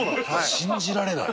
信じられない。